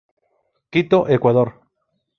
Quito Ecuador.